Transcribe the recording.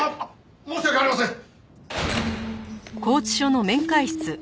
申し訳ありません！